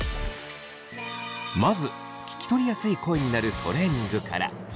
まず聞き取りやすい声になるトレーニングから。